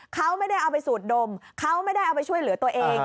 เขาไม่ได้เอาไปสูดดมเขาไม่ได้เอาไปช่วยเหลือตัวเอง